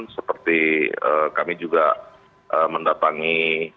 seperti kami juga mendatangi